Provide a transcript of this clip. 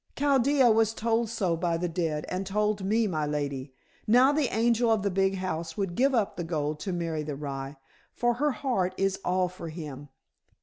"Chaldea was told so by the dead, and told me, my lady. Now the angel of the big house would give up the gold to marry the rye, for her heart is all for him.